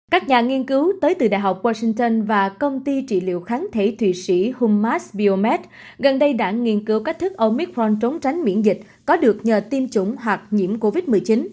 các nhà nghiên cứu tới từ đại học washington và công ty trị liệu kháng thể thụy sĩ hummas biomed gần đây đã nghiên cứu cách thức omitron trốn tránh miễn dịch có được nhờ tiêm chủng hoặc nhiễm covid một mươi chín